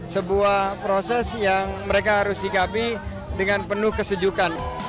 sebuah proses yang mereka harus sikapi dengan penuh kesejukan